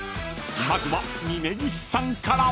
［まずは峯岸さんから］